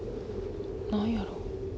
何やろ？